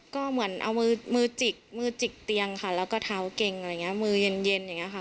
ก็เหมือนเอามือจิกมือจิกเตียงค่ะแล้วก็เท้าเก่งอะไรอย่างนี้มือเย็นอย่างนี้ค่ะ